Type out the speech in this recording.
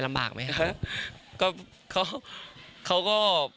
กับแบบว่าแฟนคลับเยอะมาก